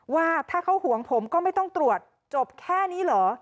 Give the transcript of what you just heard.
ว่าถ้าเขาห่วงผมก็ไม่ต้องตรวจจบแค่นี้เหรอ